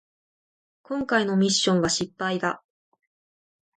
こんかいのミッションは失敗だ